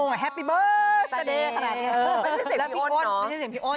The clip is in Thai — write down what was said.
ไม่ใช่เสร็จพี่อ้อน